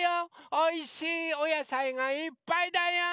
おいしいおやさいがいっぱいだよ！